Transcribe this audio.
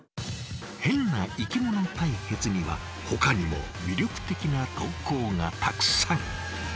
ヘンな生きもの対決にはほかにも魅力的な投稿がたくさん。